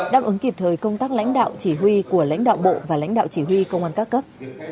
đáp ứng kịp thời công tác lãnh đạo chỉ huy của lãnh đạo bộ và lãnh đạo chỉ huy công an các cấp